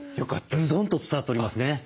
ズドンと伝わっておりますね。